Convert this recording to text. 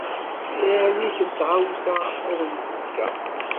Sɛiɣ yiwet n tɣawsa ad am-tt-fkeɣ.